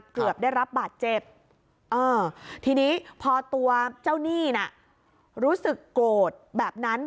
เกือบได้รับบาดเจ็บเออทีนี้พอตัวเจ้าหนี้น่ะรู้สึกโกรธแบบนั้น